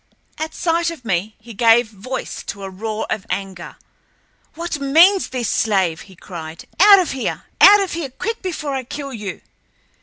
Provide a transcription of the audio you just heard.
At sight of me, he gave voice to a roar of anger. "What means this, slave?" he cried. "Out of here! Out of here! Quick, before I kill you!"